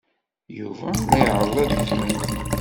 Yuba la iɛerreḍ ad yefhem.